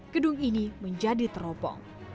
gedung ini menjadi teropong